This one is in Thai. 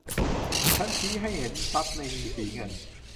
ฉันชี้ให้เห็นซับในสีเงิน